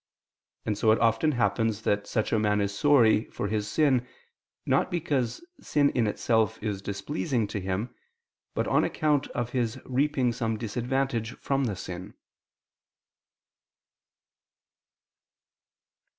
And so it often happens that such a man is sorry for his sin not because sin in itself is displeasing to him, but on account of his reaping some disadvantage from the sin.